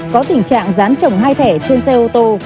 có tình trạng dán trồng hai thẻ trên xe ô tô